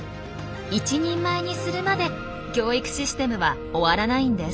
一人前にするまで教育システムは終わらないんです。